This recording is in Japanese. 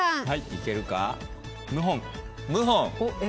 いけるか？